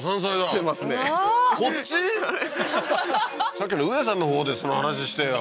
さっきの宇恵さんのほうでその話してよ